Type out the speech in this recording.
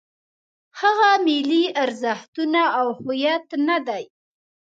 هغه ملي ارزښتونه او هویت نه دی.